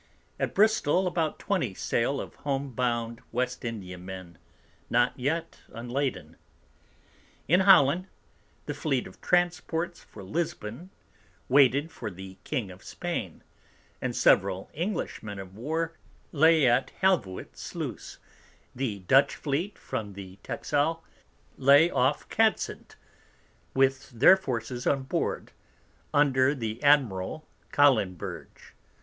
At Bristol about 20 Sail of home bound West India Men, not yet unladen. In Holland, the Fleet of Transports for Lisbon waited for the King of Spain, and several English Men of War lay at Helvoet Sluice; the Dutch Fleet from the Texel lay off of Cadsandt, with their Forces on Board, under the Admiral Callenberge.